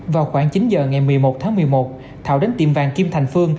vào khoảng chín giờ ngày một mươi một tháng một mươi một thảo đến tiệm vàng kim thành phương